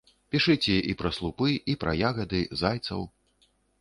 Пішыце і пра слупы, і пра ягады, зайцаў.